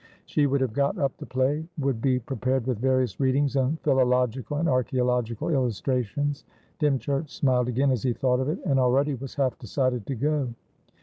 She would have "got up" the play, would be prepared with various readings, with philological and archaeological illustrations. Dymchurch smiled again as he thought of it, and already was half decided to go.